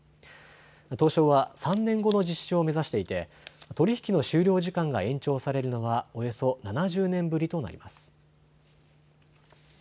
東証は３年後の実施を目指していて取り引きの終了時間が延長されるのはおよそ７０年ぶりとなります。